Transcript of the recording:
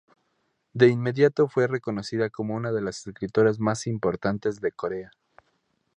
De inmediato fue reconocida como una de las escritoras más importantes de Corea.